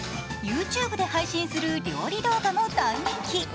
ＹｏｕＴｕｂｅで配信する料理動画も大人気。